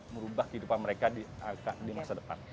merubah kehidupan mereka di masa depan